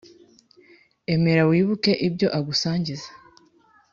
emera wibuke ibyo agusangiza